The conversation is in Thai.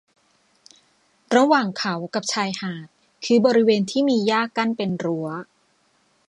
ระหว่างเขากับชายหาดคือบริเวณที่มีหญ้ากั้นเป็นรั้ว